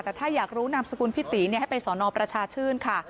แต่ถ้าอยากรู้นามสกุลพี่ตีให้ไปสอนอประชาชื่นค่ะ